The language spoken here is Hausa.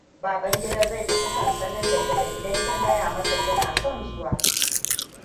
Babangida zai tafi sansanin da ke idan kin gaya masa kina son zuwa.